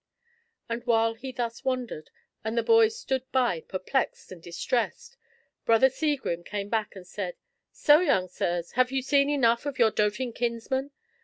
And while he thus wandered, and the boys stood by perplexed and distressed, Brother Segrim came back, and said, "So, young sirs, have you seen enough of your doting kinsman?